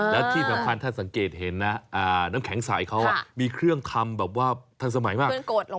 แล้วที่สำคัญถ้าสังเกตเห็นนะน้ำแข็งใสเขามีเครื่องทำแบบว่าทันสมัยมาก